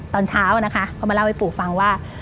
ตอนเช้านะคะก็มาเล่าให้ปู่ฟังว่า